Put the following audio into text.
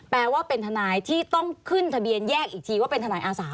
แปลว่าเป็นทนายที่ต้องขึ้นทะเบียนแยกอีกทีว่าเป็นทนายอาสา